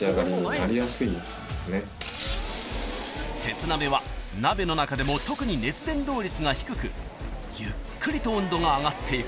［鉄鍋は鍋の中でも特に熱伝導率が低くゆっくりと温度が上がっていく］